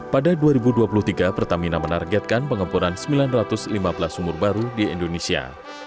pada dua ribu dua puluh tiga pertamina menargetkan pengempuran sembilan ratus lima belas sumur baru di indonesia